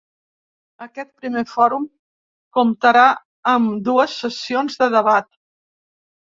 Aquest primer fòrum comptarà amb dues sessions de debat.